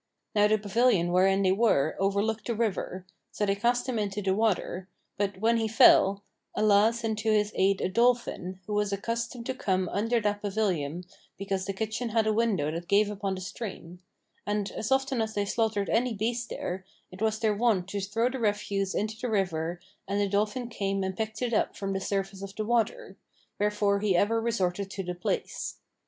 Now the pavilion wherein they were overlooked the river; so they cast him into the water; but, when he fell, Allah sent to his aid a dolphin[FN#550] who was accustomed to come under that pavilion because the kitchen had a window that gave upon the stream; and, as often as they slaughtered any beast there, it was their wont to throw the refuse into the river and the dolphin came and picked it up from the surface of the water; wherefore he ever resorted to the place.